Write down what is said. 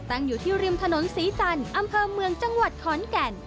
ตั้งอยู่ที่ริมถนนศรีจันทร์อำเภอเมืองจังหวัดขอนแก่น